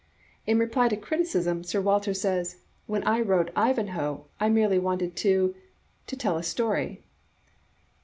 In reply to criticism, Sir Walter says, *' When I wrote *Ivanhoe,' I merely wanted to — to tell a story."